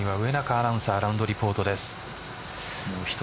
上中アナウンサーラウンドリポートです。